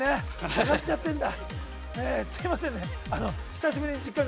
◆上がっちゃってるんだ。